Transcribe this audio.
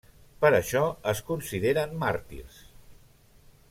Per això es consideren màrtirs.